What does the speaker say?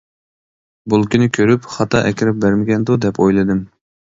بولكىنى كۆرۈپ خاتا ئەكىرىپ بەرمىگەندۇ، دەپ ئويلىدىم.